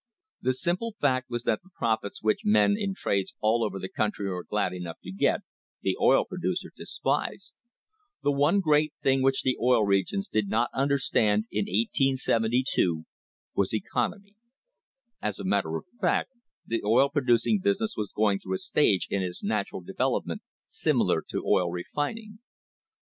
The simple fact was that the profits which men in trades all over the country were glad enough to get, the oil producer despised.yThe one great thing which "AN UNHOLY ALLIANCE" the Oil Regions did not understand in 1872 was economy. As a matter of fact the oil producing business was going through a stage in its natural development similar to oil refin ing.